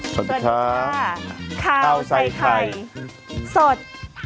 สวัสดีครับคราวใส่ไทยสด